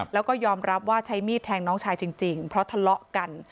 แล้วก็ยอมรับว่าใช้มีดแทงน้องชายจริงเพราะทะเลาะกัน